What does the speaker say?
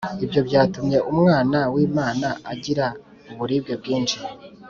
ibyo byatumye umwana w’imana agira uburibwe bwinshi